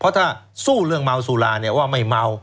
เพราะถ้าสู้เรื่องเมาสุราเนี่ยว่าไม่เมา